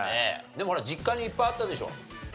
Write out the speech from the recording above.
でもほら実家にいっぱいあったでしょ。